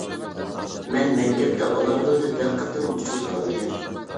مەن مەكتەپتە ئانارگۈلنى بىر قېتىممۇ ئۇچرىتالمىدىم.